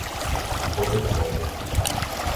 Ponta de Pedras